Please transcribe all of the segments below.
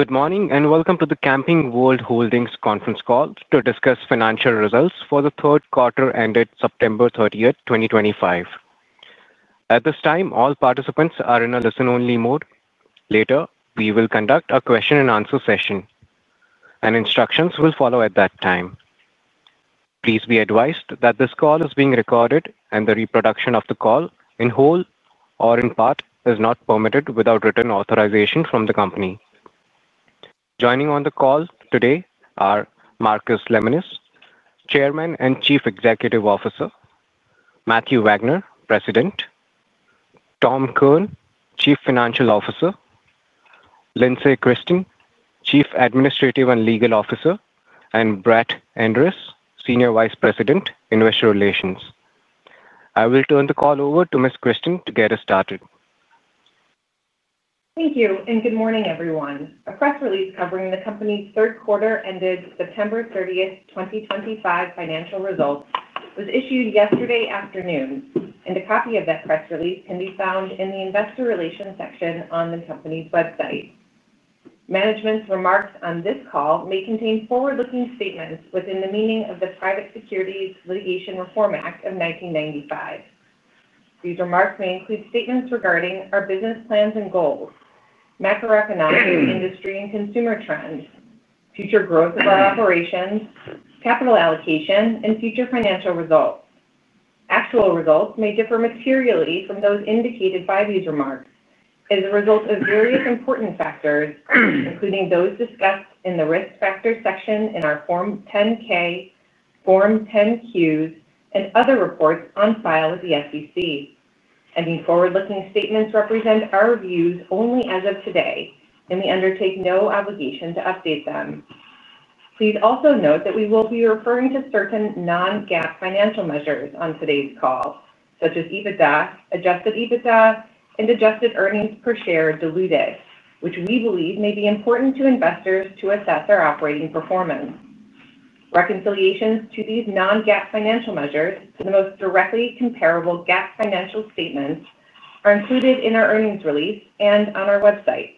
Good morning and welcome to the Camping World Holdings Inc. conference call to discuss financial results for the third quarter ended September 30, 2025. At this time, all participants are in a listen-only mode. Later, we will conduct a question and answer session and instructions will follow at that time. Please be advised that this call is being recorded and the reproduction of the call in whole or in part is not permitted without written authorization from the company. Joining on the call today are Marcus Lemonis, Chairman and Chief Executive Officer, Matthew Wagner, President, Tom Kirn, Chief Financial Officer, Lindsey Christen, Chief Administrative and Legal Officer, and Brett Andress, Senior Vice President, Investor Relations. I will turn the call over to Ms. Christen to get us started. Thank you and good morning everyone. A press release covering the company's third quarter ended September 30, 2025, financial results was issued yesterday afternoon, and a copy of that press release can be found in the Investor Relations section on the company's website. Management's remarks on this call may contain forward-looking statements within the meaning of the Private Securities Litigation Reform Act of 1995. These remarks may include statements regarding our business plans and goals, macroeconomic, industry and consumer trends, future growth of our operations, capital allocation, and future financial results. Actual results may differ materially from those indicated by these remarks as a result of various important factors, including those discussed in the Risk Factors section in our Form 10-K, Form 10-Qs, and other reports on file with the SEC. Any forward-looking statements represent our views only as of today, and we undertake no obligation to update them. Please also note that we will be referring to certain non-GAAP financial measures on today's call, such as EBITDA, adjusted EBITDA, and adjusted earnings per share diluted, which we believe may be important to investors to assess our operating performance. Reconciliations to these non-GAAP financial measures to the most directly comparable GAAP financial statements are included in our earnings release and on our website.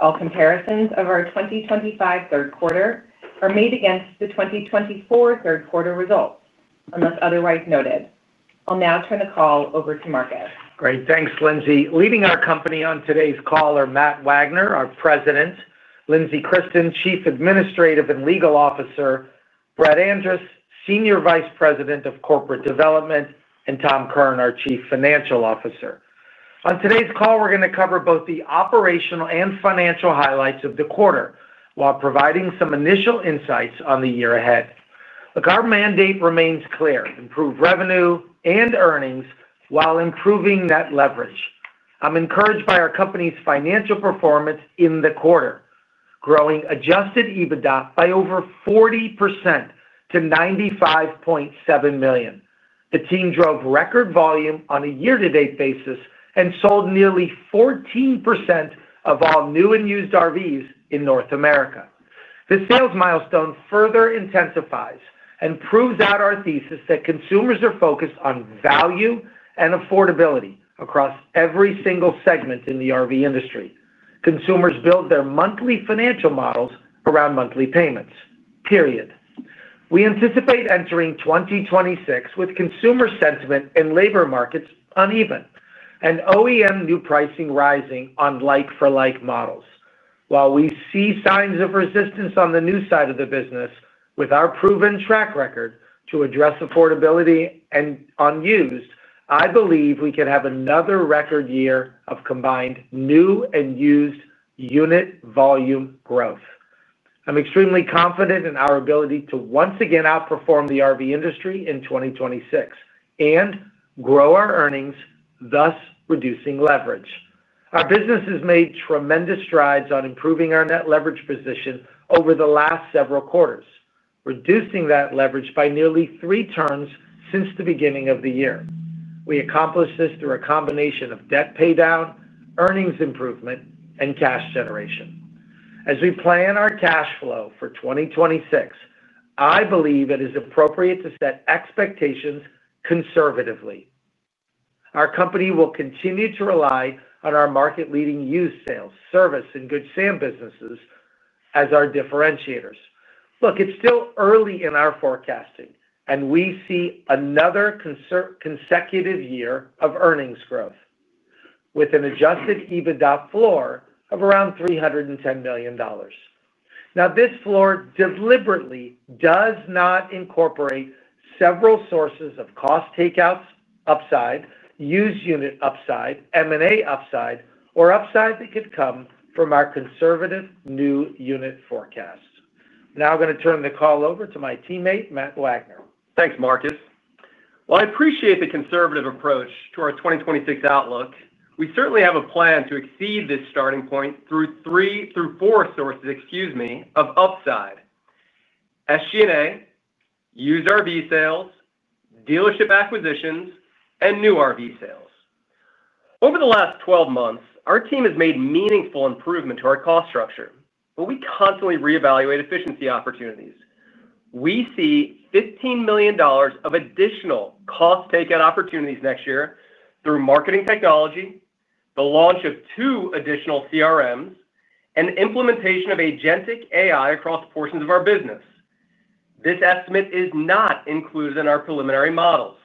All comparisons of our 2025 third quarter are made against the 2024 third quarter results unless otherwise noted. I'll now turn the call over to Marcus. Great. Thanks, Lindsey. Leading our company on today's call are Matthew Wagner, our President, Lindsey Christen, Chief Administrative and Legal Officer, Brett Andress, Senior Vice President of Corporate Development, and Tom Kirn, our Chief Financial Officer. On today's call, we're going to cover both the operational and financial highlights of the quarter while providing some initial insights on the year ahead. Our mandate remains clear: improve revenue and earnings while improving net leverage. I'm encouraged by our company's financial performance in the quarter, growing adjusted EBITDA by over 40% to $95.7 million. The team drove record volume on a year-to-date basis and sold nearly 14% of all new and used RVs in North America. This sales milestone further intensifies and proves out our thesis that consumers are focused on value and affordability across every single segment in the RV industry. Consumers build their monthly financial models around monthly payments, period. We anticipate entering 2026 with consumer sentiment and labor markets uneven and OEM new pricing rising on like-for-like models. While we see signs of resistance on the new side of the business, with our proven track record to address affordability and unused, I believe we can have another record year of combined new and used unit volume growth. I'm extremely confident in our ability to once again outperform the RV industry in 2026 and grow our earnings, thus reducing leverage. Our business has made tremendous strides on improving our net leverage position over the last several quarters, reducing net leverage by nearly three turns since the beginning of the year. We accomplished this through a combination of debt paydown, earnings improvement, and cash generation. As we plan our cash flow for 2026, I believe it is appropriate to set expectations conservatively. Our company will continue to rely on our market-leading used sales, service, and Good Sam businesses. Our differentiators, look, it's still early in our forecasting, and we see another consecutive year of earnings growth with an adjusted EBITDA floor of around $310 million. This floor deliberately does not incorporate several sources of cost takeouts, upside, used unit upside, M&A upside, or upside that could come from our conservative new unit forecast. Now I'm going to turn the call over to my teammate, Matthew Wagner. Thanks Marcus. While I appreciate the conservative approach to our 2026 outlook, we certainly have a plan to exceed this starting point through three to four sources of upside: SG&A, used RV sales, dealership acquisitions, and new RV sales. Over the last 12 months, our team has made meaningful improvement to our cost structure, but we constantly reevaluate efficiency opportunities. We see $15 million of additional cost takeout opportunities next year through marketing technology, the launch of two additional CRMs, and implementation of agentic AI across portions of our business. This estimate is not included in our preliminary models.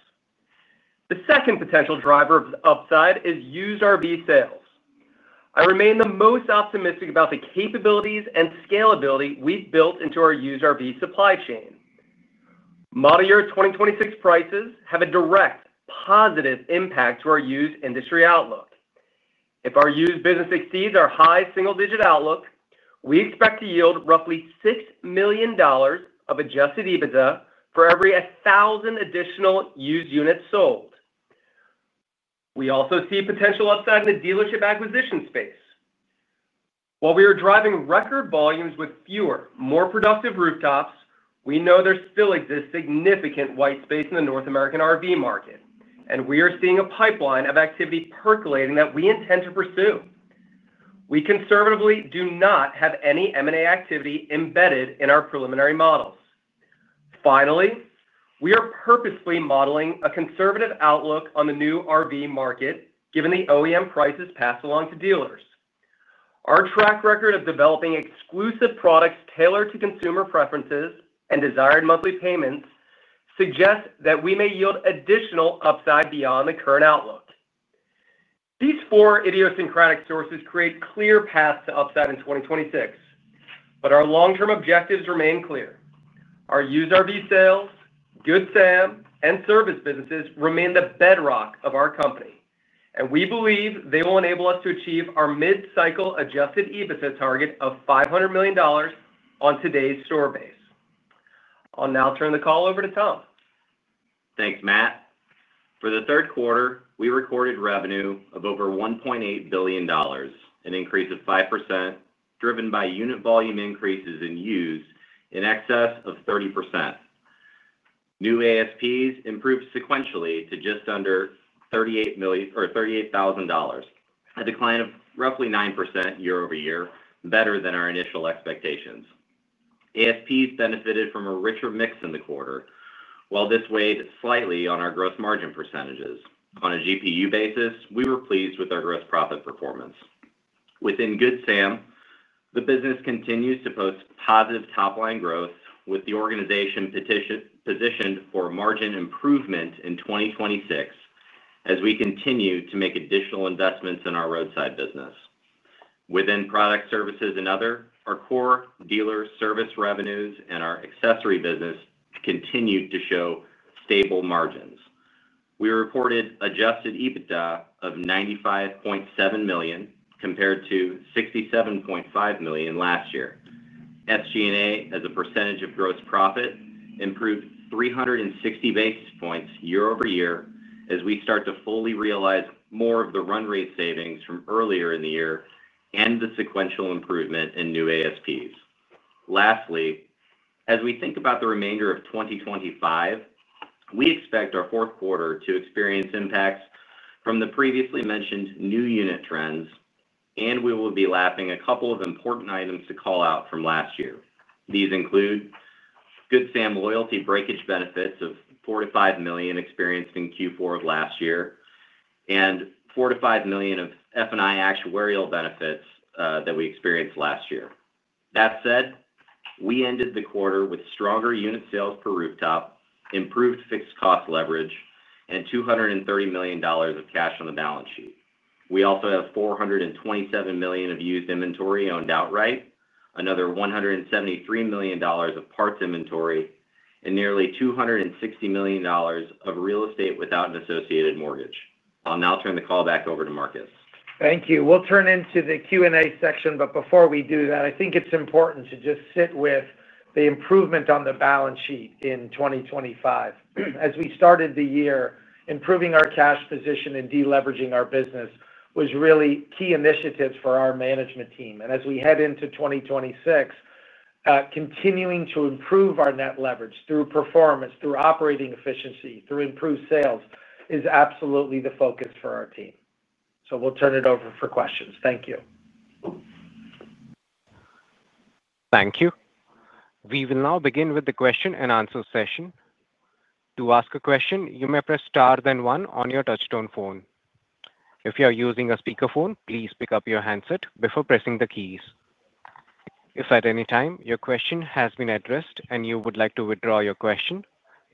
The second potential driver of upside is used RV sales. I remain the most optimistic about the capabilities and scalability we've built into our used RV supply chain. Model year 2026 prices have a direct positive impact to our used industry outlook. If our used business exceeds our high single-digit outlook, we expect to yield roughly $6 million of adjusted EBITDA for every 1,000 additional used units sold. We also see potential upside in the dealership acquisition space. While we are driving record volumes with fewer, more productive rooftops, we know there still exists significant white space in the North American RV market and we are seeing a pipeline of activity percolating that we intend to pursue. We conservatively do not have any M&A activity embedded in our preliminary models. Finally, we are purposefully modeling a conservative outlook on the new RV market. Given the OEM prices passed along to dealers, our track record of developing exclusive products tailored to consumer preferences and desired monthly payments suggests that we may yield additional upside beyond the current outlook. These four idiosyncratic sources create clear paths to upside in 2026, but our long-term objectives remain clear. Our used RV sales, Good Sam Services, and service businesses remain the bedrock of our company and we believe they will enable us to achieve our mid-cycle adjusted EBITDA target of $500 million on today's store base. I'll now turn the call over to Tom. Thanks Matt. For the third quarter we recorded revenue of over $1.8 billion, an increase of 5% driven by unit volume increases in used in excess of 30%. New ASPs improved sequentially to just under $38,000, a decline of roughly 9% year over year, better than our initial expectations. ASPs benefited from a richer mix in the quarter. While this weighed slightly on our gross margin percentages on a GPU basis, we were pleased with our gross profit performance within Good Sam. The business continues to post positive top line growth with the organization positioned for margin improvement in 2026. As we continue to make additional investments in our roadside business within product services and other, our core dealer service revenues and our accessory business continued to show stable margins. We reported adjusted EBITDA of $95.7 million compared to $67.5 million last year. SG&A as a percentage of gross profit improved 360 basis points year over year. As we start to fully realize more of the run rate savings from earlier in the year and the sequential improvement in new ASPs. Lastly, as we think about the remainder of 2025, we expect our fourth quarter to experience impacts from the previously mentioned new unit trends and we will be lapping a couple of important items to call out from last year. These include Good Sam loyalty breakage benefits of $4 million-$5 million experienced in Q4 of last year and $4 million-$5 million of F&I actuarial benefits that we experienced last year. That said, we ended the quarter with stronger unit sales per rooftop, improved fixed cost leverage, and $230 million of cash on the balance sheet. We also have $427 million of used inventory owned outright, another $173 million of parts inventory, and nearly $260 million of real estate without an associated mortgage. I'll now turn the call back over to Marcus. Thank you. We'll turn into the Q&A section. Before we do that, I think it's important to just sit with the improvement on the balance sheet in 2025. As we started the year, improving our cash position and deleveraging our business was really key initiatives for our management team. As we head into 2026, continuing to improve our net leverage through performance, through operating efficiency, through improved sales is absolutely the focus for our team. We'll turn it over for questions. Thank you. Thank you. We will now begin with the question and answer session. To ask a question, you may press star then 1 on your touch-tone phone. If you are using a speakerphone, please pick up your handset before pressing the keys. If at any time your question has been addressed and you would like to withdraw your question,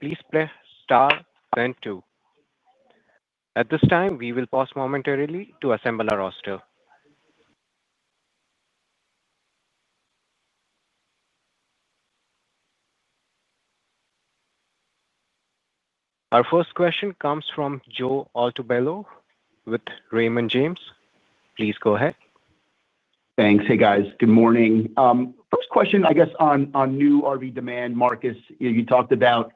please press star then 2. At this time, we will pause momentarily to assemble our roster. Our first question comes from Joe Altobello with Raymond James. Please go ahead. Thanks. Hey, guys, good morning. First question, I guess, on new RV demand. Marcus, you talked about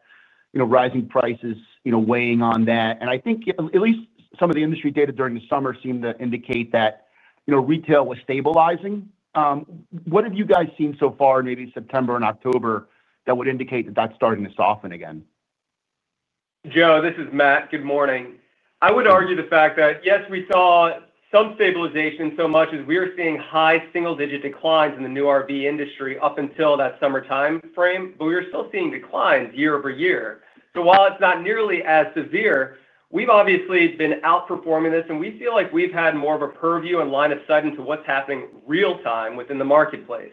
rising prices weighing on that, and I think at least some of the industry data during the summer seemed to indicate that retail was stabilizing. What have you guys seen so far, maybe September and October, that would indicate that that's starting to soften again. Joe, this is Matt. Good morning. I would argue the fact that yes, we saw some stabilization so much as we are seeing high single digit declines in the new RV industry up until that summer time frame, but we are still seeing declines year over year. While it's not nearly as severe, we've obviously been outperforming this and we feel like we've had more of a purview and line of sight into what's happening real time within the marketplace.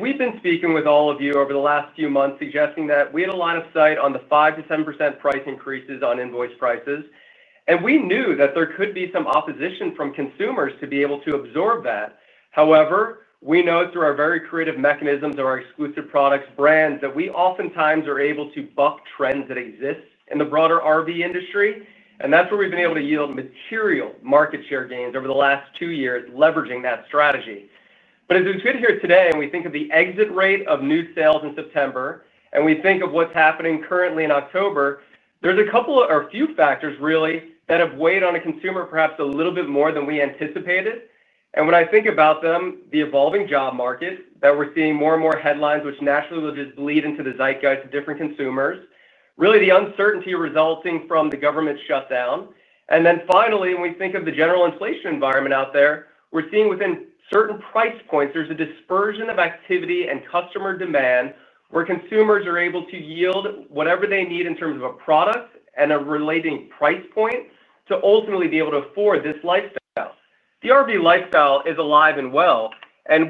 We've been speaking with all of you over the last few months suggesting that we had a lot of sight on the 5%-7% price increases on invoice prices. We knew that there could be some opposition from consumers to be able to absorb that. However, we know through our very creative mechanisms of our exclusive products brands that we oftentimes are able to buck trends that exist in the broader RV industry. That's where we've been able to yield material market share gains over the last two years, leveraging that strategy. As we sit here today and we think of the exit rate of new sales in September and we think of what's happening currently in October, there are a couple or a few factors really that have weighed on a consumer perhaps a little bit more than we anticipated. When I think about them, the evolving job market that we're seeing, more and more headlines which naturally will just bleed into the zeitgeist of different consumers, really the uncertainty resulting from the government shutdown. Finally, when we think of the general inflation environment out there, we're seeing within certain price points there's a dispersion of activity and customer demand where consumers are able to yield whatever they need in terms of a product and a relating price point to ultimately be able to afford this lifestyle. The RV lifestyle is alive and well.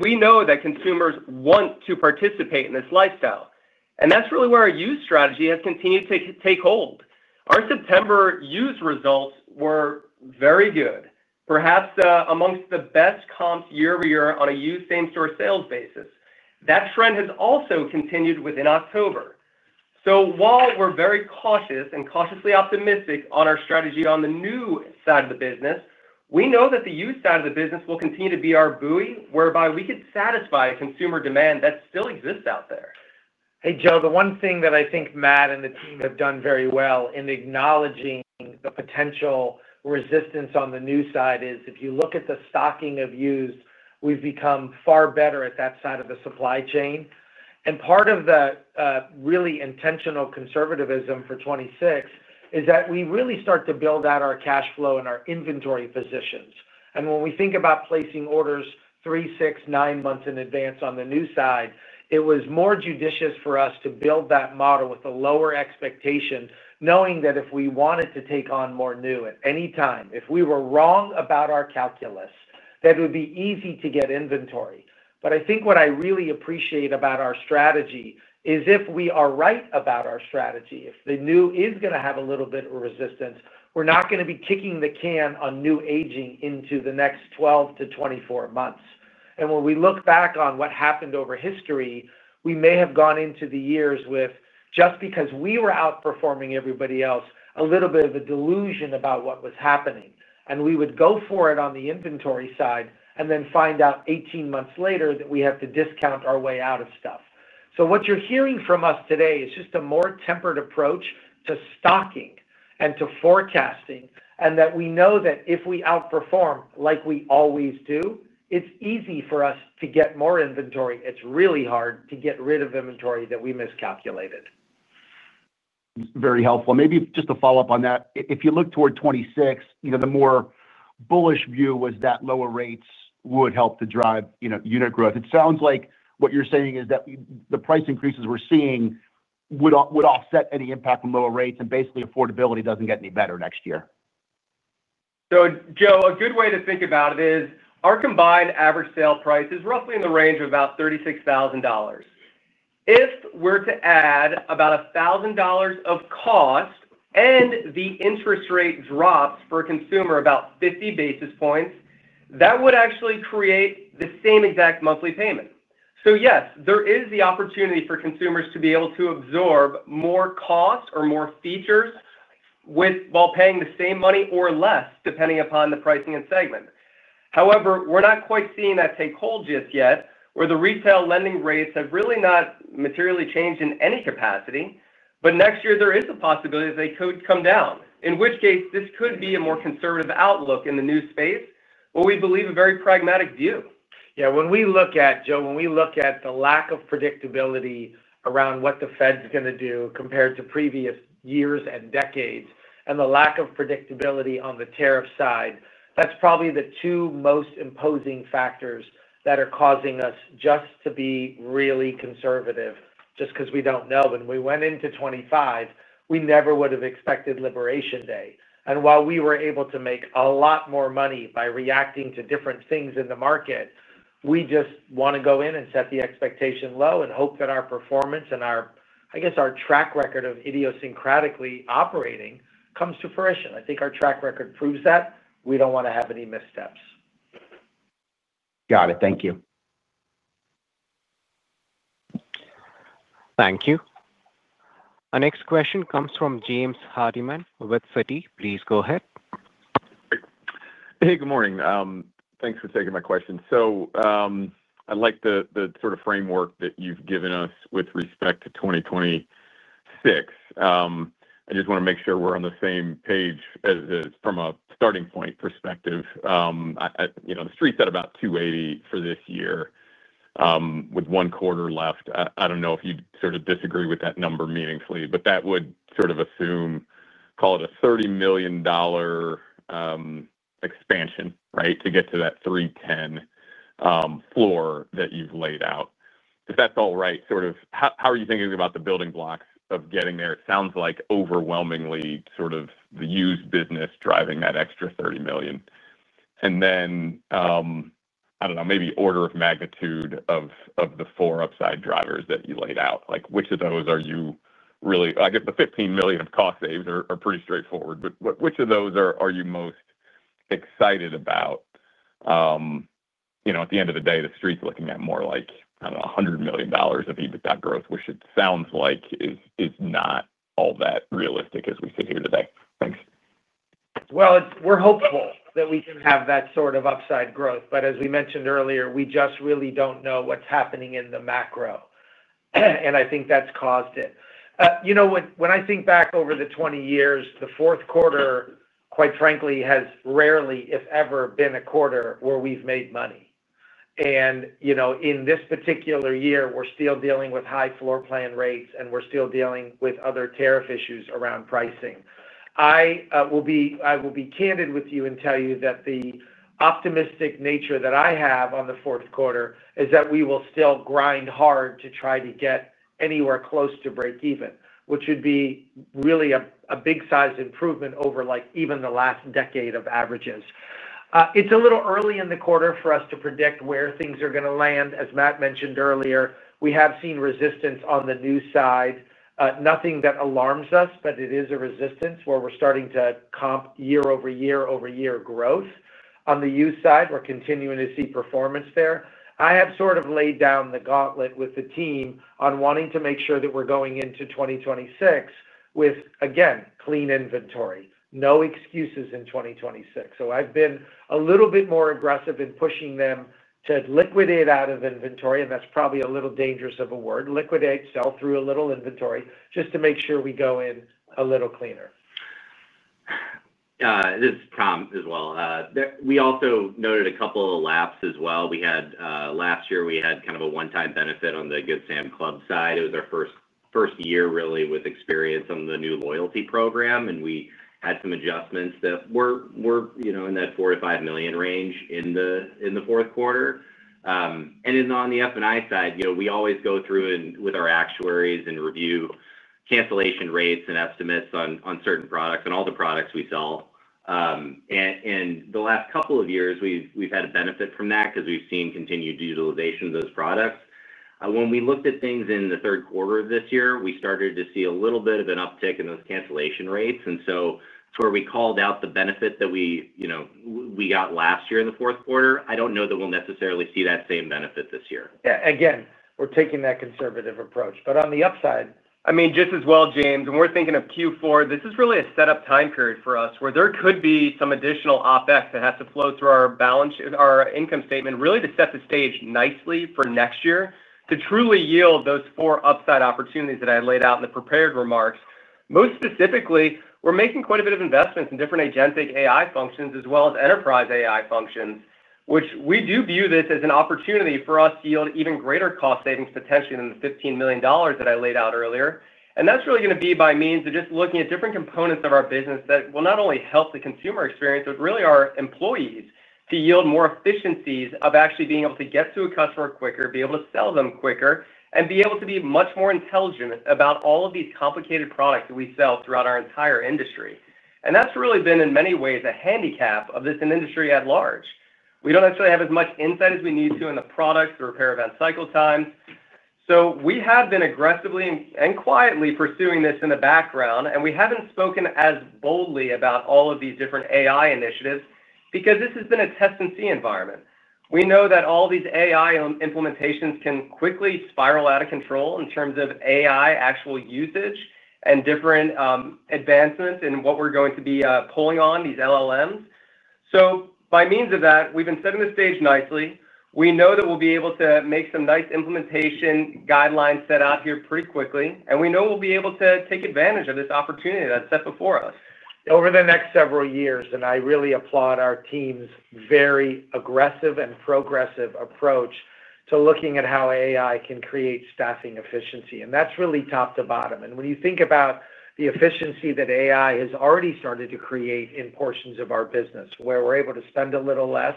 We know that consumers want to participate in this lifestyle. That's really where our used strategy has continued to take hold. Our September used results were very good, perhaps amongst the best comps year over year on a used same store sales basis. That trend has also continued within October. While we're very cautious and cautiously optimistic on our strategy on the new side of the business, we know that the used side of the business will continue to be our buoy whereby we could satisfy consumer demand that still exists out there. Hey, Joe. The one thing that I think Matt and the team have done very well in acknowledging the potential resistance on the new side is if you look at the stocking of used, we've become far better at that side of the supply chain. Part of the really intentional conservatism for 2026 is that we really start to build out our cash flow and our inventory positions. When we think about placing orders 3, 6, 9 months in advance on the new side, it was more judicious for us to build that model with a lower expectation, knowing that if we wanted to take on more new at any time, if we were wrong about our calculus, it would be easy to get inventory. What I really appreciate about our strategy is if we are right about our strategy, if the new is going to have a little bit of resistance, we're not going to be kicking the can on new aging into the next 12-24 months. When we look back on what happened over history, we may have gone into the years with, just because we were outperforming everybody else, a little bit of a delusion about what was happening. We would go for it on the inventory side and then find out 18 months later that we have to discount our way out of stuff. What you're hearing from us today is just a more tempered approach to stocking and to forecasting and that we know that if we outperform like we always do, it's easy for us to get more inventory. It's really hard to get rid of inventory that we miscalculated. Very helpful. Maybe just to follow up on that. If you look toward 2026, you know, the more bullish view was that lower. Rates would help to drive, you know, unit growth. It sounds like what you're saying is that the price increases we're seeing would offset any impact from lower rates, and basically affordability doesn't get any better next year. A good way to think about it is our combined average sale price is roughly in the range of about $36,000. If we're to add about $1,000 of cost and the interest rate drops for a consumer about 50 basis points, that would actually create the same exact monthly payment. Yes, there is the opportunity for consumers to be able to absorb more cost or more features while paying the same money or less, depending upon the pricing and segment. However, we're not quite seeing that take hold just yet. The retail lending rates have really not materially changed in any capacity. Next year there is a possibility that they could come down, in which case this could be a more conservative outlook in the new space. What we believe is a very pragmatic view. Yeah. When we look at the lack of predictability around what the Fed's going to do compared to previous years and decades, and the lack of predictability on the tariff side, that's probably the two most imposing factors that are causing us just to be really conservative, just because we don't know. When we went into 2025, we never would have expected Liberation Day. While we were able to make a lot more money by reacting to different things in the market, we just want to go in and set the expectation low and hope that our performance and our, I guess our track record of idiosyncratically operating comes to fruition. I think our track record proves that we don't want to have any missteps. Got it. Thank you. Thank you. Our next question comes from James Hardiman with Citi. Please go ahead. Hey, good morning. Thanks for taking my question. I like the sort of framework that you've given us with respect to 2020. I just want to make sure we're on the same page as from a starting point perspective. You know, the street's at about $280 million for this year with one quarter left. I don't know if you sort of disagree with that number meaningfully, but that would sort of assume, call it, a $30 million. Expansion. Right. To get to that $310 million floor that you've laid out, if that's all right. How are you thinking about the building blocks of getting there? It sounds like overwhelmingly the used business driving that extra $30 million. Maybe order of magnitude of the four upside drivers that you laid out, which of those are you really? I get the $15 million of cost saves are pretty straightforward, but which of those are you most excited about? At the end of the day, the Street's looking at more like $100 million of EBITDA growth, which it sounds like is not all that realistic as we sit here today. Thanks. We're hopeful that we can have that sort of upside growth, but as we mentioned earlier, we just really don't know what's happening in the macro. I think that's caused it. When I think back over the 20 years, the fourth quarter, quite frankly, has rarely if ever been a quarter where we've made money. In this particular year, we're still dealing with high floor plan rates and we're still dealing with other tariff issues around pricing. I will be candid with you and tell you that the optimistic nature that I have on the fourth quarter is that we will still grind hard to try to get anywhere close to break even, which would be really a big size improvement over, like, even the last decade of averages. It's a little early in the quarter for us to predict where things are going to land. As Matt mentioned earlier, we have seen resistance on the new side. Nothing that alarms us, but it is a resistance where we're starting to comp year over year over year growth. On the used side, we're continuing to see performance there. I have sort of laid down the gauntlet with the team on wanting to make sure that we're going into 2026 with, again, clean inventory, no excuses in 2026. I've been a little bit more aggressive in pushing them to liquidate out of inventory. That's probably a little dangerous of a word, liquidate, sell through a little inventory just to make sure we go in a little cleaner. This is Tom as well. We also noted a couple of laps as well. Last year we had kind of a one-time benefit on the Good Sam cloud. It was our first year really with experience on the new loyalty program, and we had some adjustments that were in that $4 million-$5 million range in the fourth quarter. On the F&I side, we always go through with our actuaries and review cancellation rates and estimates on certain products and all the products we sell. The last couple of years we've had a benefit from that because we've seen continued utilization of those products. When we looked at things in the third quarter of this year, we started to see a little bit of an uptick in those cancellation rates. We called out the benefit that we got last year in the fourth quarter. I don't know that we'll necessarily see that same benefit this year. Yeah, again we're taking that conservative approach, but on the upside, I mean, just. As well, James, when we're thinking of Q4, this is really a setup time period for us where there could be some additional OpEx that has to flow through our balance sheet, our income statement, really, to set the stage nicely for next year to truly yield those four upside opportunities that I laid out in the prepared remarks. Most specifically, we're making quite a bit of investments in different agentic AI functions as well as enterprise AI functions, which we do view as an opportunity for us to yield even greater cost savings potentially than the $15 million that I laid out earlier. That's really going to be by means of just looking at different components of our business that will not only help the consumer experience but really our employees to yield more efficiencies of actually being able to get to a customer quicker, be able to sell them quicker, and be able to be much more intelligent about all of these complicated products that we sell throughout our entire industry. That's really been in many ways a handicap of this industry at large. We don't necessarily have as much insight as we need to in the product, the repair event cycle times. We have been aggressively and quietly pursuing this in the background and we haven't spoken as boldly about all of these different AI initiatives because this has been a test and see environment. We know that all these AI implementations can quickly spiral out of control in terms of AI actual usage and different advancements in what we're going to be pulling on these LLMs. By means of that, we've been setting the stage nicely. We know that we'll be able to make some nice implementation guidelines set out here pretty quickly and we know we'll be able to take advantage of this opportunity that's set before us. The next several years. I really applaud our team's very aggressive and progressive approach to looking at how AI can create staffing efficiency. That's really top to bottom. When you think about the efficiency that AI has already started to create in portions of our business where we're able to spend a little less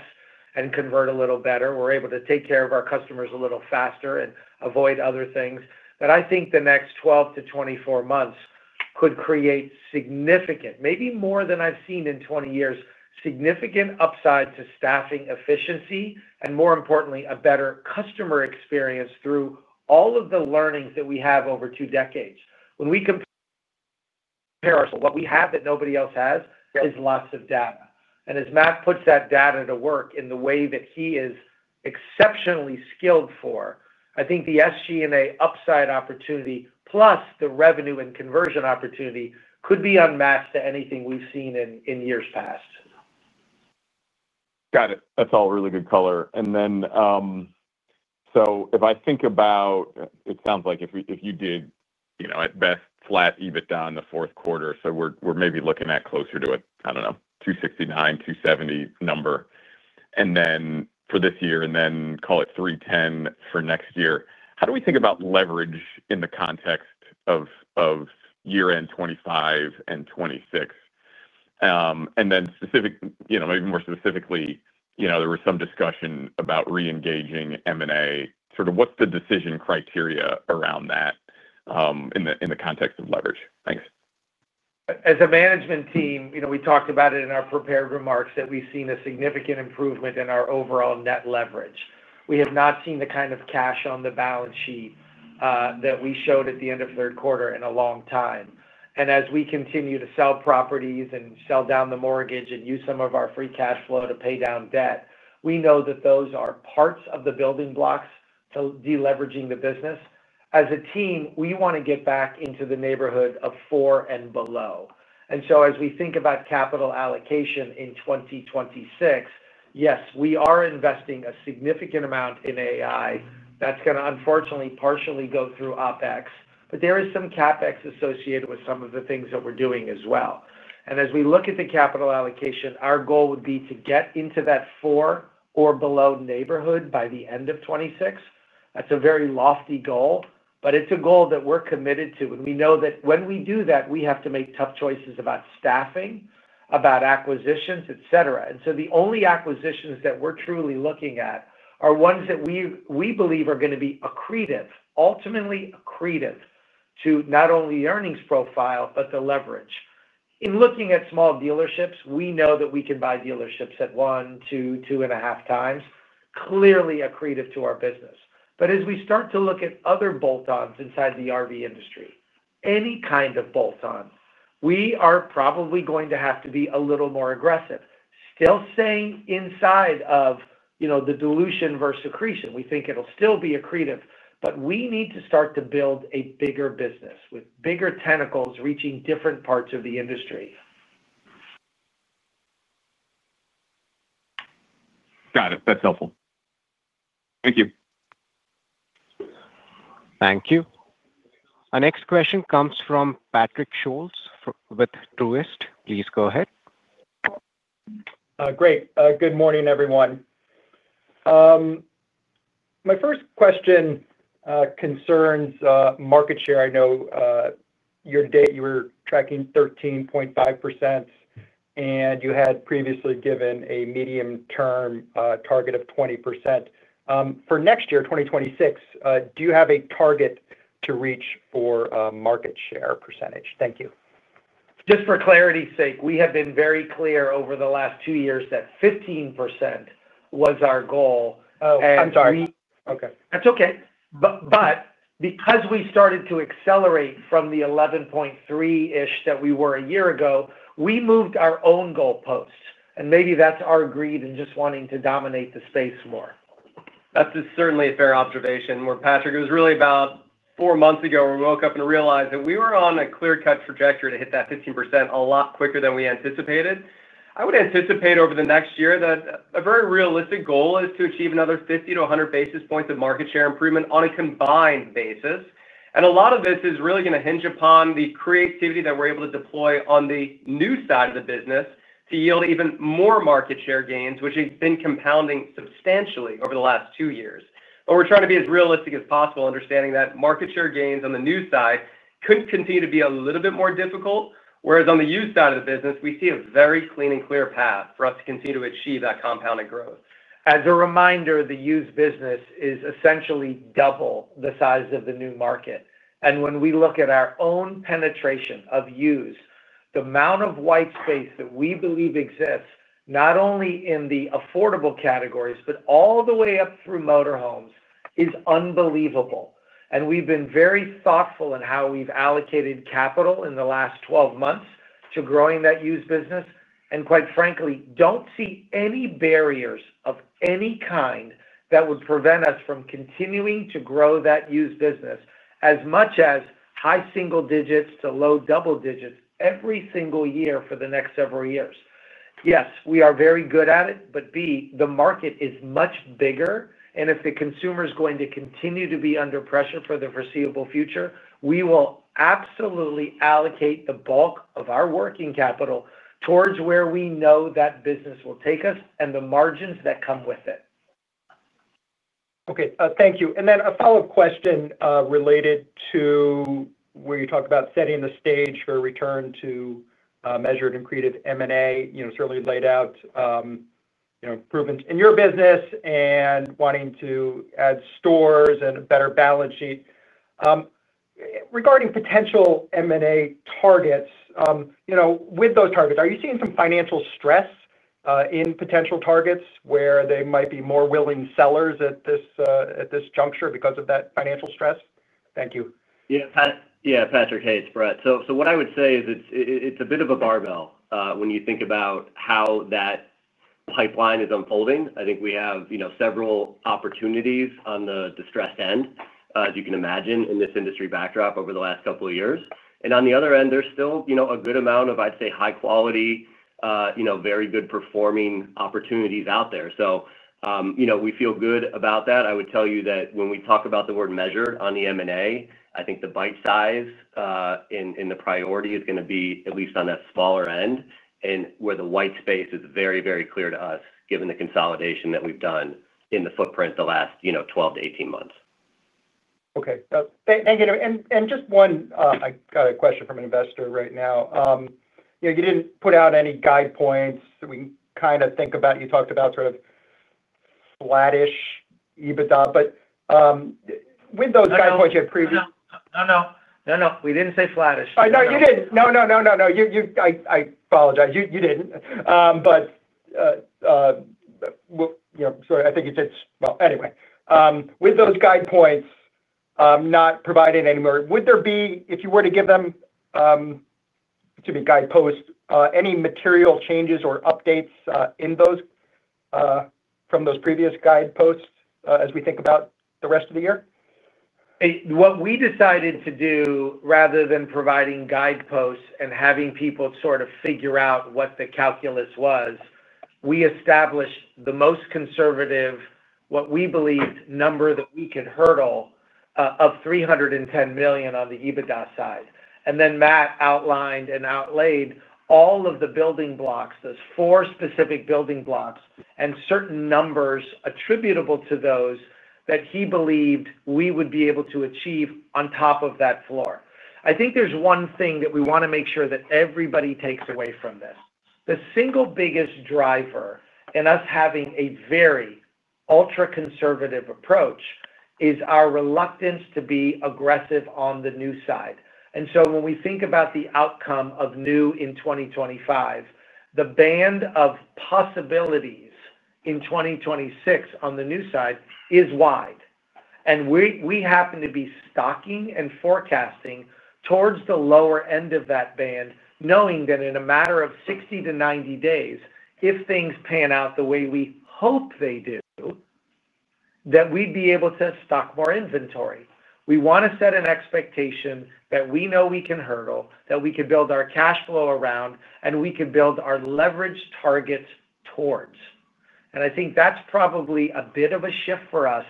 and convert a little better, we're able to take care of our customers a little faster and avoid other things. I think the next 12-24 months could create significant, maybe more than I've seen in 20 years, significant upside to staffing efficiency and, more importantly, a better customer experience through all of the learnings that we have over two decades. When we compare ourselves, what we have that nobody else has is lots of data. As Matt puts that data to work in the way that he is exceptionally skilled for, I think the SG&A upside opportunity plus the revenue and conversion opportunity could be unmatched to anything we've seen in years past. Got it. That's all really good color. If I think about it, it sounds like if you did, at best, flat EBITDA in the fourth quarter, we're maybe looking at closer to, I don't know, $269 million, $270 million number for this year, and then call it $310 million for next year. How do we think about leverage in the context of year-end 2025 and 2026, and then, maybe more specifically, there was some discussion about re-engaging M&A? What's the decision criteria around that in the context of leverage? Thanks. As a management team, you know, we talked about it in our prepared remarks that we've seen a significant improvement in our overall net leverage. We have not seen the kind of cash on the balance sheet that we showed at the end of the third quarter in a long time. As we continue to sell properties and sell down the mortgage and use some of our free cash flow to pay down debt, we know that those are parts of the building blocks to deleveraging the business as a team. We want to get back into the neighborhood of 4 and below. As we think about capital allocation in 2026, yes, we are investing a significant amount in AI that's going to unfortunately partially go through OpEx, but there is some CapEx associated with some of the things that we're doing as well. As we look at the capital allocation, our goal would be to get into that 4 or below neighborhood by the end of 2026. That's a very lofty goal, but it's a goal that we're committed to. We know that when we do that, we have to make tough choices about staffing, about acquisitions, et cetera. The only acquisitions that we're truly looking at are ones that we believe are going to be accretive, ultimately accretive to not only the earnings profile, but the leverage in looking at small dealerships. We know that we can buy dealerships at 1, 2, 2.5 times. Clearly accretive to our business. As we start to look at other bolt-ons inside the RV industry, any kind of bolt-on, we are probably going to have to be a little more aggressive, still staying inside of, you know, the dilution versus accretion. We think it'll still be accretive, but we need to start to build a bigger business with bigger tentacles reaching different parts of the industry. Got it. That's helpful. Thank you. Thank you. Our next question comes from Patrick Scholes with Truist. Please go ahead. Great. Good morning, everyone. My first question concerns market share. I know your data, you were tracking 13.5% and you had previously given a medium term target of 20% for next year, 2026. Do you have a target to reach for market share %? Thank you. Just for clarity's sake, we have been very clear over the last two years that 15% was our goal. I'm sorry. Okay, that's okay. Because we started to accelerate from the 11.3-ish that we were a year ago, we moved our own goalpost and maybe that's our greed and just wanting to dominate the space more. That's certainly a fair observation. Patrick, it was really about four months ago when we woke up and realized that we were on a clear-cut trajectory to hit that 15% a lot quicker than we anticipated. I would anticipate over the next year that a very realistic goal is to achieve another 50-100 basis points of market share improvement on a combined basis. A lot of this is really going to hinge upon the creativity that we're able to deploy on the new side of the business to yield even more market share gains, which has been compounding substantially over the last two years. We are trying to be as realistic as possible, understanding that market share gains on the new side could continue to be a little bit more difficult, whereas on the used side of the business, we see a very clean and clear path for us to continue to achieve that compounded growth. As a reminder, the used business is essentially double the size of the new market. When we look at our own penetration of used, the amount of white space that we believe exists not only in the affordable categories but all the way up through motorhomes is unbelievable. We have been very thoughtful in how we've allocated capital in the last 12 months to growing that used business and quite frankly don't see any barriers of any kind that would prevent us from continuing to grow that used business as much as high single digits to low double digits every single year for the next several years. Yes, we are very good at it. The market is much bigger and if the consumer is going to continue to be under pressure for the foreseeable future, we will absolutely allocate the bulk of our working capital towards where we know that business will take us and the margins that come with it. Okay, thank you. A follow up question related to where you talk about setting the stage for a return to measured accretive M&A, you certainly laid out improvements in your business and wanting to add stores and a better balance sheet regarding potential M&A targets. With those targets, are you seeing some financial stress in potential targets where they might be more willing sellers at this. Juncture because of that financial stress? Thank you. Yeah, Patrick. Hey, it's Brett. What I would say is it's. A bit of a barbell when you think about how that pipeline is unfolding. I think we have several opportunities on the distressed end, as you can imagine, in this industry backdrop over the last couple of years. On the other end, there's still a good amount of, I'd say, high quality, very good performing opportunities out there. We feel good about that. I would tell you that when we talk about the word measured on the M&A, I think the bite size in the priority is going to be at least on that smaller end and where the white space is very, very clear to us, given the consolidation that we've done in the footprint the last 12-18 months. Okay, thank you. Just one, I got a question from an investor right now. You didn't put out any guide points. We kind of think about, you talked about sort of flattish EBITDA, but with those guide points you had previously. No, no, no, no. We didn't say flattish. No, you didn't. No, no, no, no, no. I apologize. You didn't. Sorry. I think with those guide points, not. Provided any more, would there be if you. Were to give them to me guidepost, any material changes or updates in those from those previous guideposts. As we think about the rest of the year, what we decided to do, rather than providing guideposts and having people sort of figure out what the calculus was, was we established the most conservative, what we believe, number that we can hurdle of $310 million on the EBITDA side. Matt outlined and outlaid all of the building blocks, those four specific building blocks, and certain numbers attributable to those that he believed we would be able to achieve on top of that floor. I think there's one thing that we want to make sure that everybody takes away from this. The single biggest driver in us having a very ultra-conservative approach is our reluctance to be aggressive on the new side. When we think about the outcome of new in 2025, the band of possibilities in 2026 on the new side is wide. We happen to be stocking and forecasting towards the lower end of that band, knowing that in a matter of 60-90 days, if things pan out the way we hope they do, we'd be able to stock more inventory. We want to set an expectation that we know we can hurdle, that we could build our cash flow around, and we could build our leverage targets towards. I think that's probably a bit of a shift for us.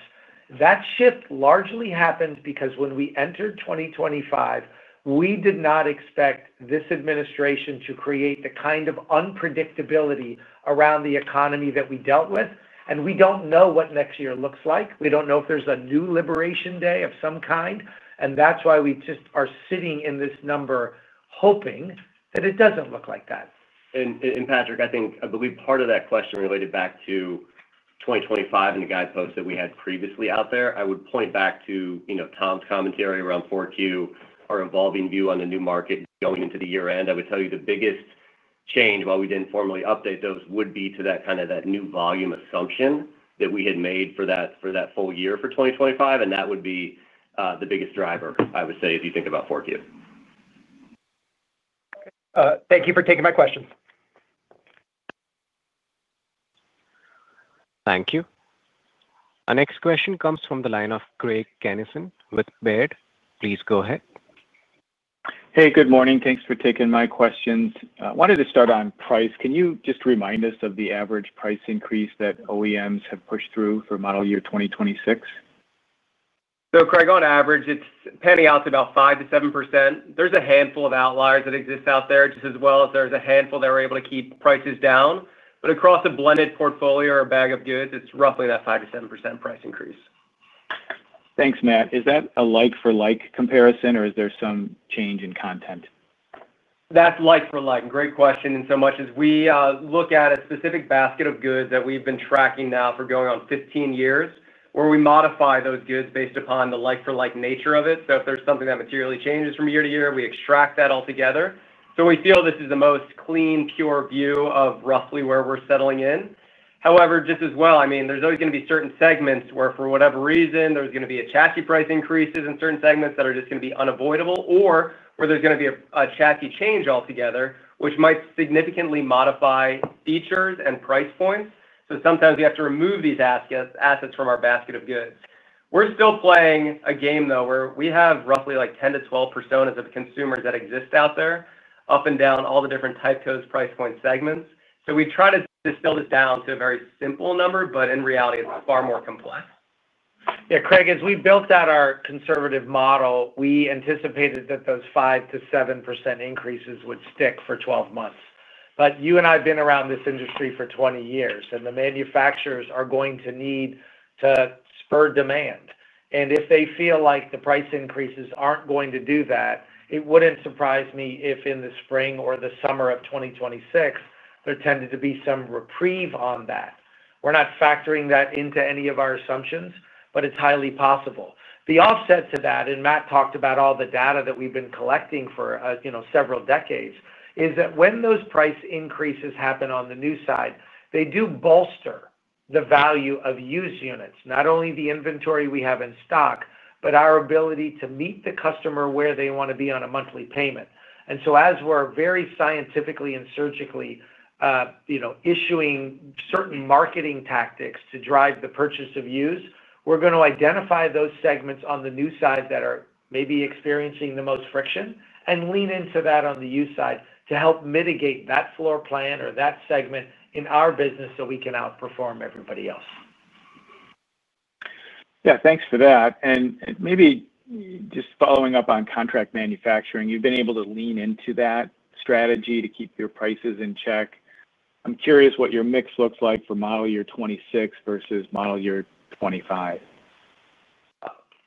That shift largely happened because when we entered 2025, we did not expect this administration to create the kind of unpredictability around the economy that we dealt with. We don't know what next year looks like. We don't know if there's a new liberation day of some kind. That's why we just are sitting in this number hoping that it doesn't look like that. Patrick, I think, I believe part. Of that question related back to 2025. The guidepost that we had previously out there, I would point back to, you know, Tom's commentary around 4Q, our evolving view on the new market going into the year end. I would tell you the biggest change, while we didn't formally update those, would be to that kind of new volume assumption that we had made for that full year for 2025. That would be the biggest driver, I would say, if you think about 4Q. Thank you for taking my questions. Thank you. Our next question comes from the line of Craig Kennison with Baird. Please go ahead. Hey, good morning. Thanks for taking my questions. I wanted to start on price. Can you just remind us of the average price increase that OEMs have pushed through for model year 2026? Craig, on average, it's panning out to about 5%-7%. There's a handful of outliers that exist out there just as well as there's a handful that we're able to keep prices down. Across a blended portfolio or bag of goods, it's roughly that 5%-7% price increase. Thanks, Matt. Is that a like-for-like comparison, or is there some change in content? That's like for like? Great question. Inasmuch as we look at a specific basket of goods that we've been tracking now for going on 15 years, we modify those goods based upon the like for like nature of it. If there's something that materially changes from year to year, we extract that altogether. We feel this is the most clean, pure view of roughly where we're settling in. However, just as well, there's always going to be certain segments where, for whatever reason, there's going to be a chassis price increases in certain segments that are just going to be unavoidable, or where there's going to be a chassis change altogether, which might significantly modify features and price points. Sometimes you have to remove these assets from our basket of goods. We're still playing a game, though, where we have roughly 10-12 personas of consumers that exist out there up and down all the different type codes, price point segments. We try to distill this down to a very simple number, but in reality, it's far more complex. Yeah, Craig, as we built out our conservative model, we anticipated that those 5%-7% increases would stick for 12 months. You and I have been around this industry for 20 years, and the manufacturers are going to need to spur demand. If they feel like the price increases aren't going to do that, it wouldn't surprise me if in the spring or the summer of 2026 there tended to be some reprieve on that. We're not factoring that into any of our assumptions, but it's highly possible. The offset to that, and Matt talked about all the data that we've been collecting for several decades, is that when those price increases happen on the new side, they do bolster the value of used units. Not only the inventory we have in stock, but our ability to meet the customer where they want to be on a monthly payment. As we're very scientifically and surgically issuing certain marketing tactics to drive the purchase of used, we're going to identify those segments on the new side that are maybe experiencing the most friction and lean into that on the used side to help mitigate that floor plan or that segment in our business so we can outperform everybody else. Yeah, thanks for that. Maybe just following up on exclusive contract manufacturing, you've been able to lean into that strategy to keep your prices in check. I'm curious what your mix looks like for model year 2026 versus model year 2025.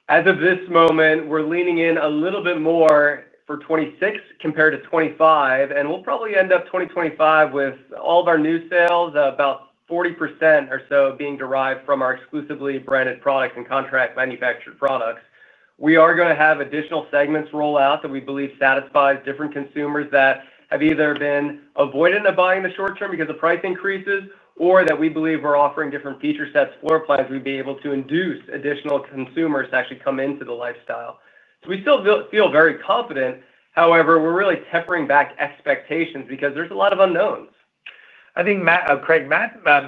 As of this moment, we're leaning in a little bit more 26 compared to 25. We'll probably end up 2025 with all of our new sales about 40% or so being derived from our exclusively branded products and contract manufactured products. We are going to have additional segments roll out that we believe satisfies different consumers that have either been avoidant of buying in the short term because of price increases or that we believe we're offering different feature sets, floor plans. We'd be able to induce additional connection consumers to actually come into the lifestyle. We still feel very confident. However, we're really tempering back expectations because there's a lot of unknowns. I think Matt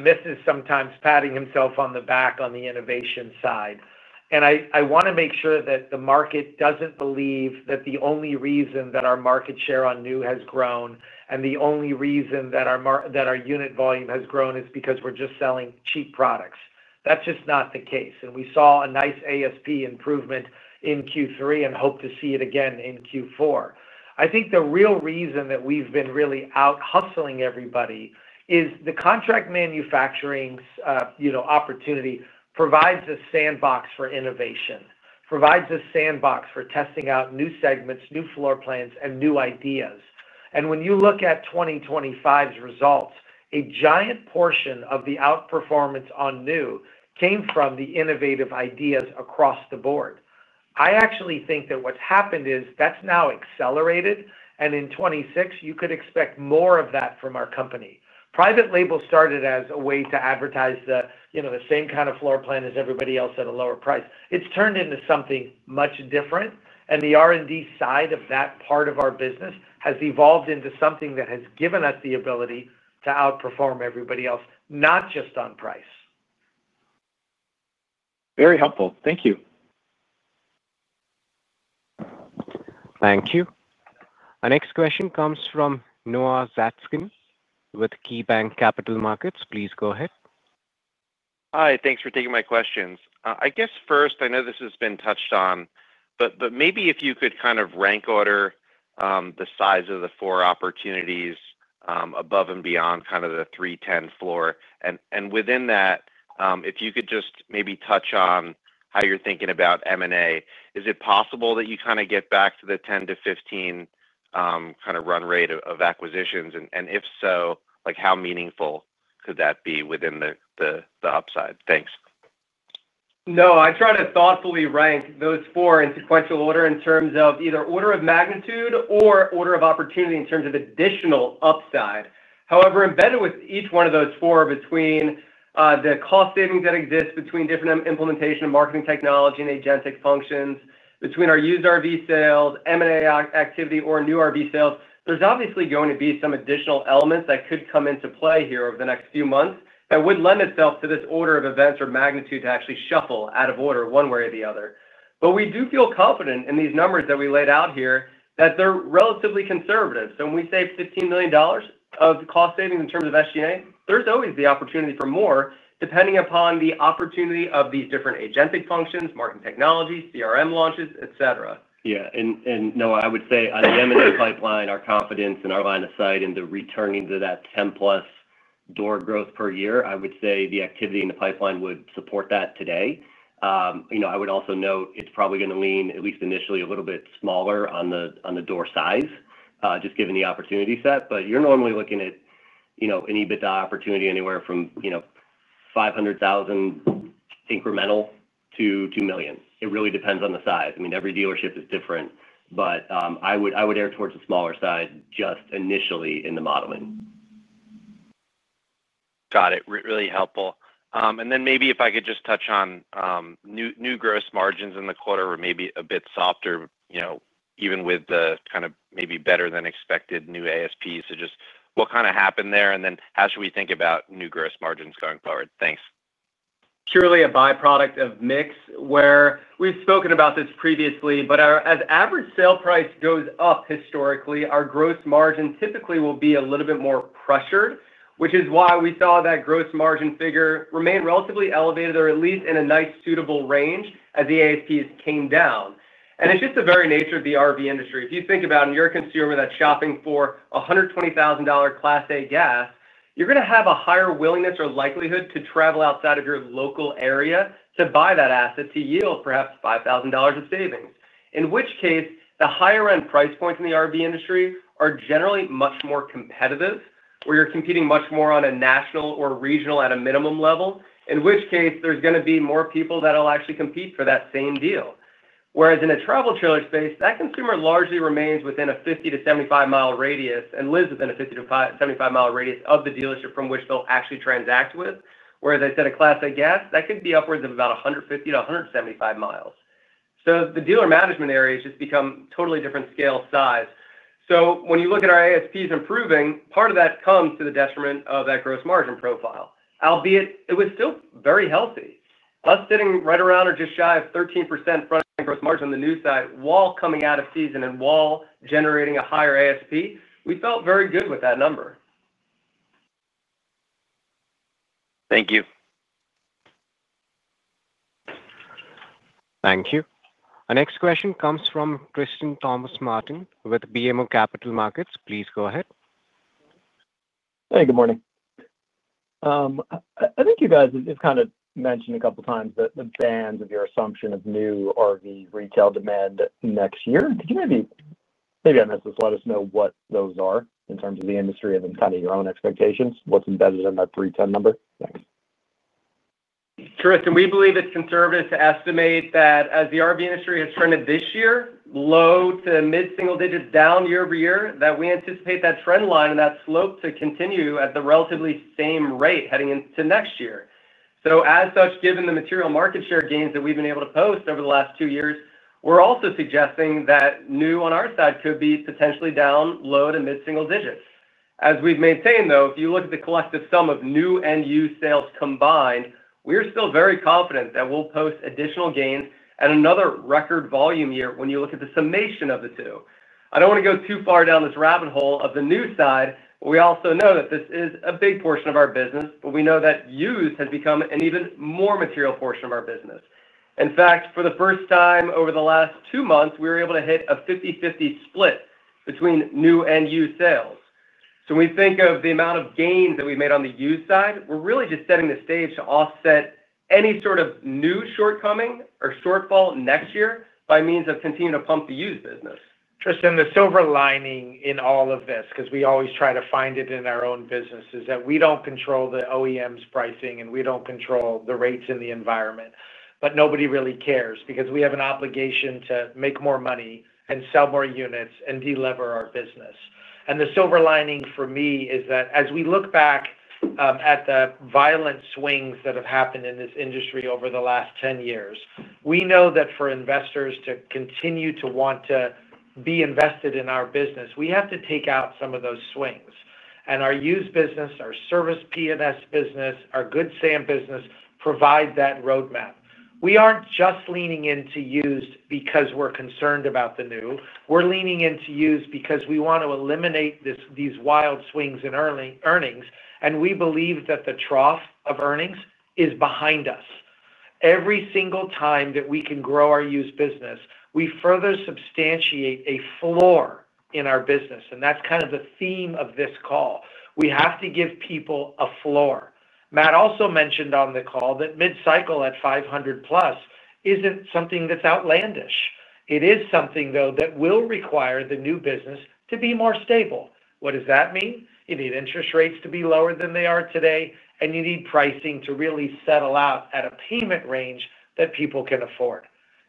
misses sometimes patting himself on the back on the innovation side. I want to make sure that the market doesn't believe that the only reason that our market share on new has grown and the only reason that our unit volume has grown is because we're just selling cheap products. That's just not the case. We saw a nice ASP improvement in Q3 and hope to see it again in Q4. I think the real reason that we've been really out hustling everybody is the contract manufacturing opportunity provides a sandbox for innovation, provides a sandbox for testing out new segments, new floor plans, and new ideas. When you look at 2025's results, a giant portion of the outperformance on new came from the innovative ideas across the board. I actually think that what's happened is that's now accelerated. In 2026, you could expect more of that from our company. Private label started as a way to advertise the same kind of floor plan as everybody else at a lower price. It's turned into something much different. The R&D side of that part of our business has evolved into something that has given us the ability to outperform everybody else, not just on price. Very helpful. Thank you. Thank you. Our next question comes from Noah Zatzkin with KeyBanc Capital Markets. Please go ahead. Hi. Thanks for taking my questions. I guess first, I know this has been touched on, but maybe if you could kind of rank order the size of the four opportunities above and beyond kind of the $310 million floor. Within that, if you could just maybe touch on how you're thinking about. M&A, is it possible that. You kind of get back to the 10%-15% kind of run rate of acquisitions, and if so, like, how meaningful could that be within the upside? Thanks. No, I try to thoughtfully rank those four in sequential order in terms of either order of magnitude or order of opportunity in terms of additional upside. However, embedded with each one of those four, between the cost savings that exist, between different implementation of marketing technology and agentic functions, between our used RV sales M&A activity or new RV sales, there's obviously going to be some additional elements that could come into play here over the next few months that would lend itself to this order of events or magnitude to actually shuffle out of order one way or the other. We do feel confident in these numbers that we laid out here that they're relatively conservative. When we save $15 million of cost savings in terms of SG&A, there's always the opportunity for more depending upon the opportunity of these different agentic functions, market technology, CRM launches, etc. Yeah, no, I would say on the M&A pipeline, our confidence and our line of sight into returning to that 10+ door growth per year, I would say the activity in the pipeline would support that today. I would also note it's probably going to lean, at least initially, a little bit smaller on the door size just given the opportunity set. You're normally looking at an EBITDA opportunity anywhere from $500,000 incremental to $2 million. It really depends on the size. I mean every dealership is different, but I would err towards the smaller side just initially in the modeling. Got it. Really helpful. Maybe if I could just. Touch on new gross margins in the quarter were maybe a bit softer even with the kind of, maybe better than expected new ASP. Just what kind of happened there? How should we think about new gross margins going forward? Thanks. Purely a byproduct of mix where we've spoken about this previously. As average sale price goes up historically, our gross margin typically will be a little bit more pressured, which is why we saw that gross margin figure remain relatively elevated or at least in a nice suitable range as the ASPs came down. It's just the very nature of the RV industry. If you think about, and you're a consumer that's shopping for a $120,000 Class A gas, you're going to have a higher willingness or likelihood to travel outside of your local area to buy that asset to yield perhaps $5,000 of savings. In which case the higher end price points in the RV industry are generally much more competitive where you're competing much more on a national or regional at a minimum level, in which case there's going to be more people that will actually compete for that same deal. Whereas in a travel trailer space, that consumer largely remains within a 50-75 mi radius and lives within a 50-75 mi radius of the dealership from which they'll actually transact with. Whereas a Class A gas could be upwards of about 150 mi to 175 mi. The dealer management area has just become totally different scale size. When you look at our ASPs improving, part of that comes to the detriment of that gross margin profile. Albeit it was still very healthy, us sitting right around or just shy of 13% front end gross margin on the new side while coming out of season and while generating a higher ASP. We felt very good with that number. Thank you. Thank you. Our next question comes from Tristan Thomas-Martin with BMO Capital Markets. Please go ahead. Hey, good morning. I think you guys have mentioned a couple times the bands of your assumption of new RV retail demand next year. Could you let us know what those are in terms of the industry and then your own expectations? What's embedded in that 310 number? We believe it's conservative to estimate that as the RV industry has turned this year low to mid single digits down year over year, we anticipate that trend line and that slope to continue at the relatively same rate heading into next year. As such, given the material market share gains that we've been able to post over the last two years, we're also suggesting that new on our side could be potentially down low to mid single digits as we've maintained. If you look at the collective sum of new and used sales combined, we are still very confident that we'll post additional gains and another record volume year. When you look at the summation of the two, I don't want to go too far down this rabbit hole of the new side. We also know that this is a big portion of our business, but we know that used has become an even more material portion of our business. In fact, for the first time over the last two months, we were able to hit a 50/50 spot split between new and used sales. We think of the amount of gains that we made on the used side. We're really just setting the stage to offset any sort of new shortcoming or shortfall next year by means of continuing to pump the used business. Tristan, the silver lining in all of this, because we always try to find it in our own business, is that we don't control the OEM prices and we don't control the rates in the environment, but nobody really cares because we have an obligation to make more money and sell more units and delever our business. The silver lining for me is that as we look back at the violent swings that have happened in this industry over the last 10 years, we know that for investors to continue to want to be invested in our business, we have to take out some of those swings. Our used business, our service/parts business, our Good Sam Services business, provide that roadmap. We aren't just leaning into used because we're concerned about the new. We're leaning into used because we want to eliminate these wild swings in earnings. We believe that the trough of earnings is behind us. Every single time that we can grow our used business, we further substantiate a floor in our business. That's kind of the theme of this call. We have to give people a floor. Matt also mentioned on the call that mid cycle at $500 million plus isn't something that's outlandish. It is something, though, that will require the new business to be more stable. What does that mean? You need interest rates to be lower than they are today and you need pricing to really settle out at a payment range that people can afford.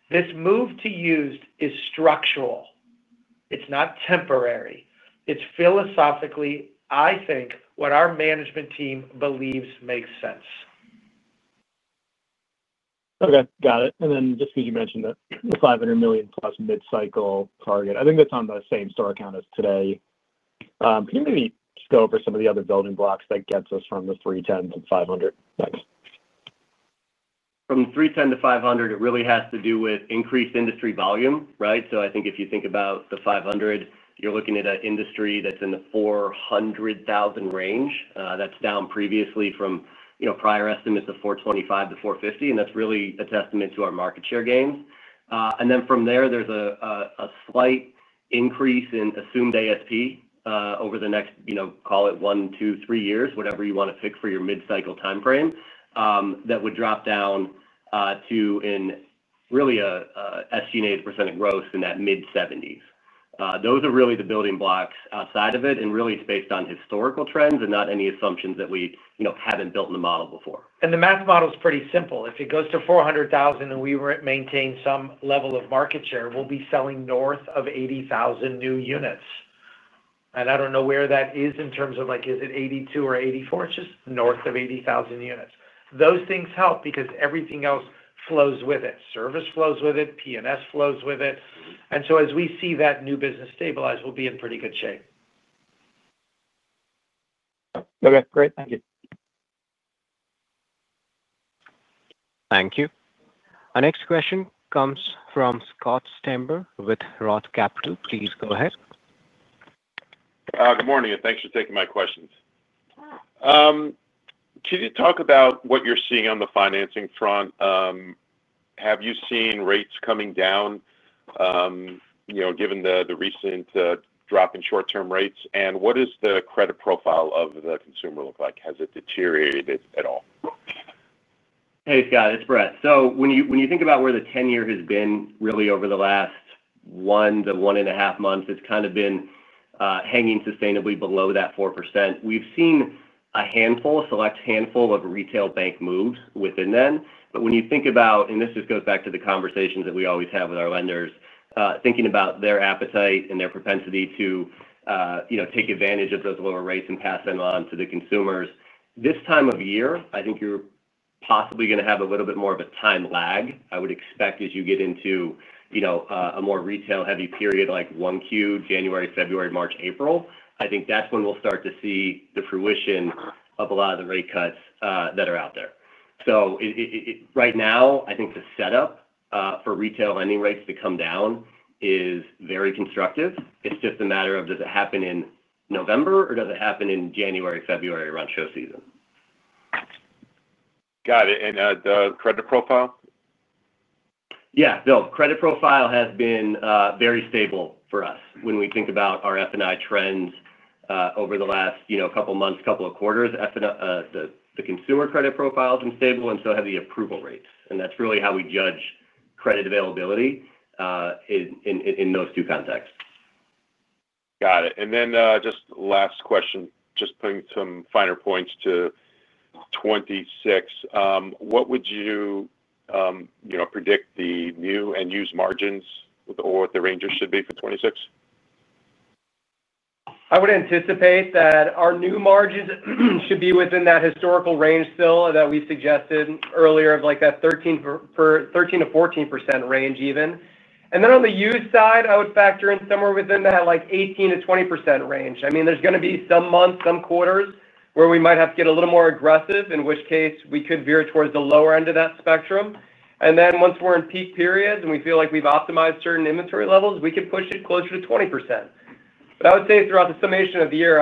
This move to used is structural. It's not temporary. Philosophically, I think what our management team believes makes sense. Okay, got it. Just because you mentioned that. $500 million plus mid cycle target, I think that's on the same store count as today. Can you maybe just go over some of the other building blocks that gets us from the $310 million-$500 million. Thanks. From $310 million to $500 million, it really has to do with increased industry volume. Right. I think if you think about the 500, you're looking at an industry that's in the 400,000 range. That's down previously from prior estimates of 425,000 to 450,000. That's really a testament to our market share gains. From there, there's a slight increase in assumed ASP over the next, call it 1, 2, 3 years, whatever you want to pick for your mid-cycle time frame. That would drop down to really estimated % of growth in that mid-70s. Those are really the building blocks outside of it. It's based on historical trends and not any assumptions that we haven't built in the model before. The math model is pretty simple. If it goes to 400,000 and we maintain some level of market share, we'll be selling north of 80,000 new units. I don't know where that is in terms of like is it 82 or 84. It's just north of 80,000 units. Those things help because everything else flows with it. Service flows with it, PNS flows with it. As we see that new business stabilize, we'll be in pretty good shape. Okay, great. Thank you. Thank you. Our next question comes from Scott Stember with Roth MKM. Please go ahead. Good morning and thanks for taking my questions. Can you talk about what you're seeing on the financing front? Have you seen rates coming down given the recent drop in short-term rates? What does the credit profile of the consumer look like? Has it deteriorated at all? Hey Scott, it's Brett. When you think about where the ten year has been really over the last one to one and a half months, it's kind of been hanging sustainably below that 4%. We've seen a select handful of retail bank moves within then. When you think about, and this just goes back to the conversations that we always have with our lenders, thinking about their appetite and their propensity to take advantage of those lower rates and pass them on to the consumers this time of year, I think you're possibly going to have a little bit more of a time lag I would expect as you get into a more retail heavy period like 1Q January, February, March, April. I think that's when we'll start to see the fruition of a lot of the rate cuts that are out there. Right now I think the setup for retail lending rates to come down is very constructive. It's just a matter of does it happen in November or does it happen in January or February around show season. Got it. The credit profile, yeah, bill credit. Profile has been very stable for us. When we think about our F&I trends over the last couple months, couple of quarters, the consumer credit profile has been stable, and so have the approval rates, and that's really how we judge credit availability in those two contexts. Got it. Just last question, just putting. Some finer points to 2026. What would you predict the new and used margins or what the ranges should be for 2026? I would anticipate that our new margins should be within that historical range still that we suggested earlier of like that 13%-14% range even. On the used side, I would factor in somewhere within that 18%-20% range. There are going to be some months, some quarters where we might have to get a little more aggressive, in which case we could veer towards the lower end of that spectrum. Once we're in peak periods and we feel like we've optimized certain inventory levels, we could push it closer to 20%. I would say throughout the summation of the year,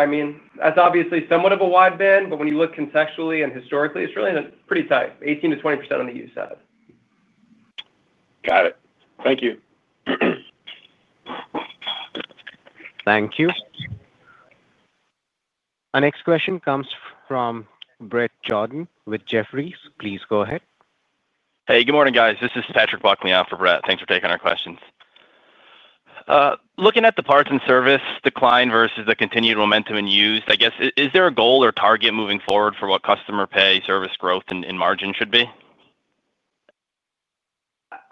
that's obviously somewhat of a wide band, but when you look contextually and historically, it's really pretty tight. 18%-20% on the used side. Got it. Thank you. Thank you. Our next question comes from Brett Andress with Jefferies. Please go ahead. Hey, good morning, guys. This is Patrick Buckley on for Brett Andress. Thanks for taking our questions. Looking at the parts and service decline versus the continued momentum in used, I. Guess, is there a goal or target? Moving forward for what customer pay, service. Growth and margin should be?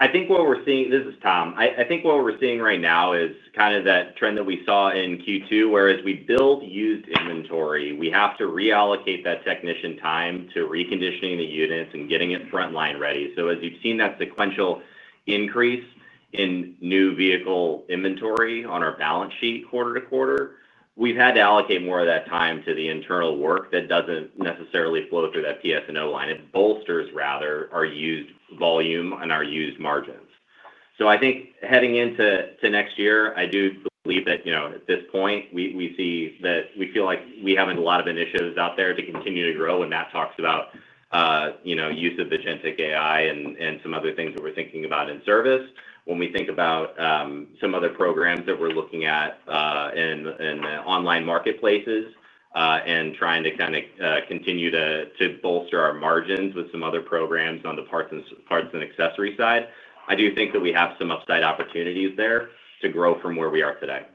I think what we're seeing, this is Tom, I think what we're seeing right now is kind of that trend that we saw in Q2 where as we build used inventory, we have to reallocate that technician time to reconditioning the units and getting it frontline ready. As you've seen that sequential increase in new vehicle inventory on our balance sheet quarter to quarter, we've had to allocate more of that time to the internal work that doesn't necessarily flow through that PSNO line. It bolsters rather our used volume and our used margins. I think heading into next year, I do believe that at this point we see that we feel like we have a lot of initiatives out there to continue to grow. Matt talks about use of the genetic AI and some other things that we're thinking about in service. When we think about some other programs that we're looking at in online marketplaces and trying to kind of continue to bolster our margins with some other programs on the parts and accessory side, I do think that we have some upside opportunities there to grow from where we are today.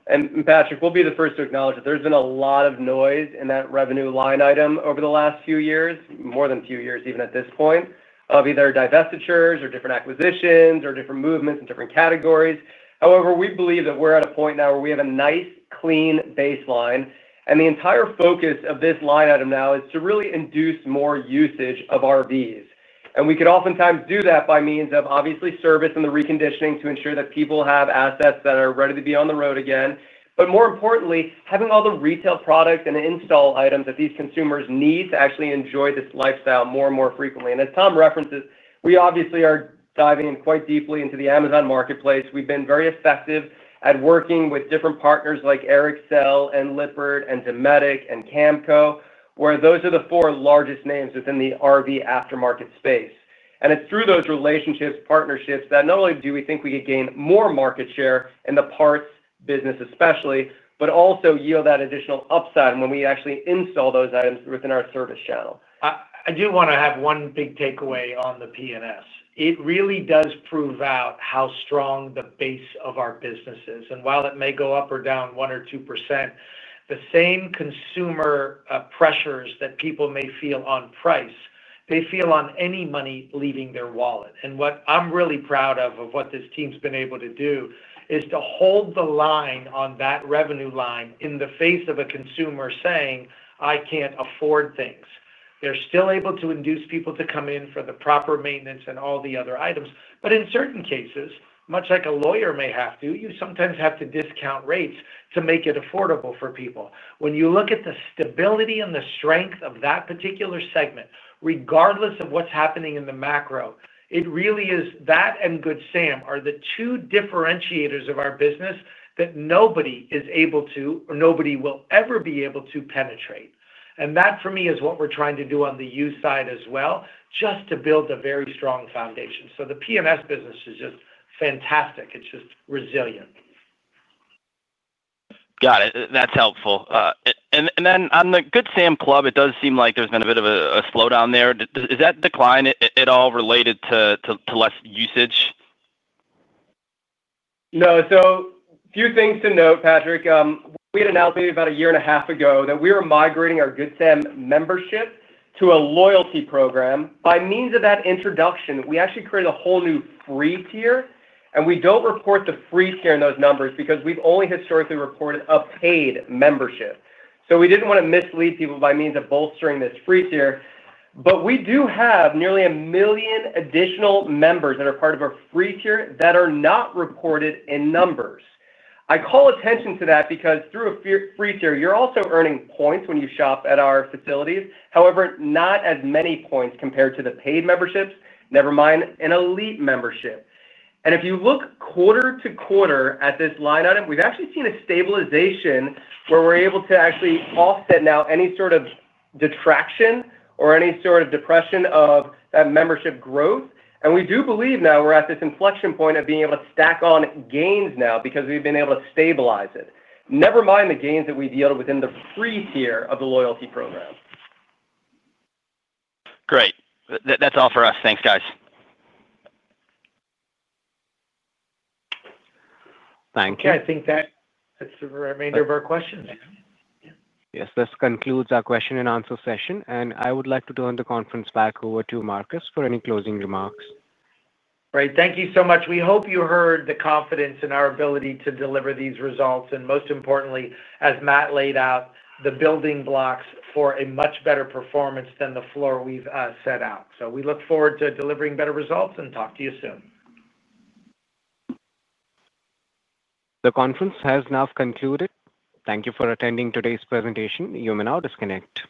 Patrick, we'll be the first to acknowledge that there's been a lot of noise in that revenue line item over the last few years, more than a few years even at this point, of either divestitures or different acquisitions or different movements in different categories. However, we believe that we're at a point now where we have a nice, clean baseline. The entire focus of this line item now is to really induce more usage of RVs. We could oftentimes do that by means of service and the reconditioning to ensure that people have assets that are ready to be on the road again. More importantly, having all the retail products and install items that these consumers need to actually enjoy this lifestyle more and more frequently is key. As Tom references, we are diving in quite deeply into the Amazon marketplace. We've been very effective at working with different partners like Ericcel, Lippert, Dometic, and Camco, where those are the four largest names within the RV aftermarket space. It's through those relationships and partnerships that not only do we think we could gain more market share in the parts business especially, but also yield that additional upside when we actually install those items within our service channel. I do want to have one big takeaway on the P&Ls. It really does prove out how strong the base of our business is. While it may go up or down 1 or 2%, the same consumer pressures that people may feel on price, they feel on any money leaving their wallet. What I'm really proud of, what this team's been able to do, is to hold the line on that revenue line in the face of a consumer saying I can't afford things. They're still able to induce people to come in for the proper maintenance and all the other items. In certain cases, much like a lawyer may have to, you sometimes have to discount rates to make it affordable for people. When you look at the stability and the strength of that particular segment, regardless of what's happening in the macro, it really is that and Good Sam are the two differentiators of our business that nobody is able to or nobody will ever be able to penetrate. That for me is what we're trying to do on the used side as well, just to build a very strong foundation. The P&Ls business is just fantastic. It's just resilient. Got it. That's helpful. On the Good Sam club, it does seem like there's been a. Bit of a slowdown there. Is that decline at all related to less usage? No. A few things to note, Patrick. We had announced about a year and a half ago that we are migrating our Good Sam membership to a loyalty program. By means of that introduction, we actually created a whole new free tier. We don't report the free tier in those numbers because we've only historically reported a paid membership. We didn't want to mislead people by means of bolstering this free tier. We do have nearly a million additional members that are part of a free tier that are not reported in numbers. I call attention to that because through a free tier you're also earning points when you shop at our facilities. However, not as many points compared to the paid memberships, never mind an elite membership. If you look quarter to quarter at this line item, we've actually seen a stabilization where we're able to actually offset now any sort of detraction or any sort of depression of that membership growth. We do believe now we're at this inflection point of being able to stack on gains now because we've been able to stabilize it, never mind the gains that we've yielded within the free tier of the loyalty program. Great. That's all for us. Thanks, guys. Thank you. I think that's the remainder of our questions. Yes. This concludes our question and answer session, and I would like to turn the conference back over to Marcus for any closing remarks. Great. Thank you so much. We hope you heard the confidence in our ability to deliver these results, and most importantly, as Matt laid out, the building blocks for a much better performance than the floor we've set out. We look forward to delivering better results and talk to you soon. The conference has now concluded. Thank you for attending today's presentation. You may now disconnect.